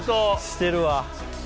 してるわ。